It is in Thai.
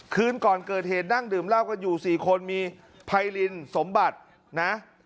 คืนก่อนเกิดเหตุนั่งดื่มเหล้ากันอยู่๔คนมีไพรินสมบัตินะ